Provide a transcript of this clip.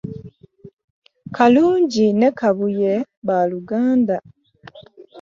Kalungi ne kabuye baluganda